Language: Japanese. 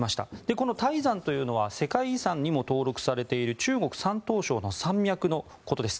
この泰山というのは世界遺産にも登録されている中国・山東省の山脈のことです。